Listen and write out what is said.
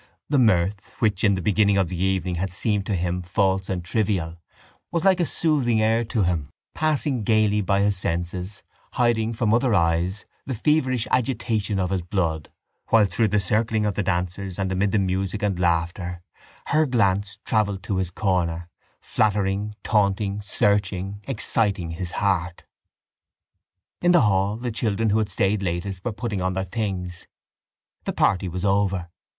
The mirth, which in the beginning of the evening had seemed to him false and trivial, was like a soothing air to him, passing gaily by his senses, hiding from other eyes the feverish agitation of his blood while through the circling of the dancers and amid the music and laughter her glance travelled to his corner, flattering, taunting, searching, exciting his heart. In the hall the children who had stayed latest were putting on their things: the party was over.